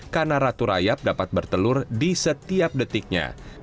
karena ratu rayap dapat bertelur di setiap detiknya